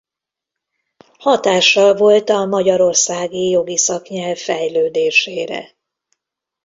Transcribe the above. Hatással volt a magyarországi jogi szaknyelv fejlődésére.